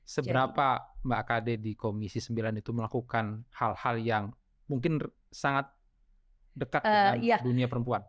seberapa mbak akade di komisi sembilan itu melakukan hal hal yang mungkin sangat dekat dengan dunia perempuan